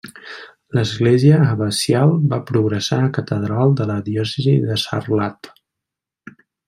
L'església abacial va progressar a catedral de la diòcesi de Sarlat.